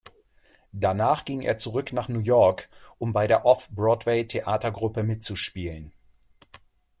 Danach ging er zurück nach New York, um bei der Off-Broadway-Theatergruppe mitzuspielen.